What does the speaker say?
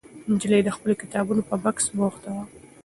نجلۍ د خپلو کتابونو په بکس بوخته وه.